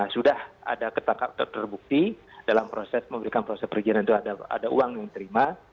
sudah ada terbukti dalam proses memberikan proses perizinan itu ada uang yang diterima